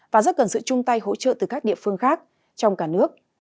và rất cần sự chung tay hỗ trợ từ các địa phương khác trong cả nước